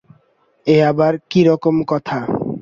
এ আবার কি রকম কথা?